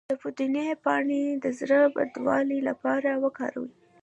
د پودینې پاڼې د زړه بدوالي لپاره وکاروئ